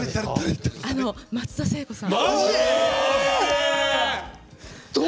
松田聖子さん。